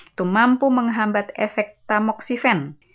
itu mampu menghambat efek tamoksifen